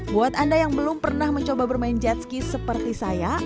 buat anda yang belum pernah mencoba bermain jet ski seperti saya